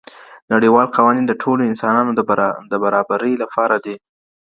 نړیوال قوانین د ټولو انسانانو د برابرۍ لپاره دي.